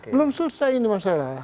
belum selesai ini masalah